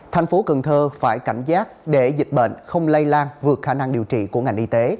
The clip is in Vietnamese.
thành phố cần thơ phải cảnh giác để dịch bệnh không lây lan vượt khả năng điều trị của ngành y tế